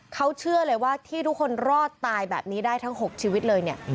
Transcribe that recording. เขาเชื่อเลยว่าที่ทุกคนรอดตายแบบนี้ได้ทั้ง๖ชีวิตเลยเนี่ย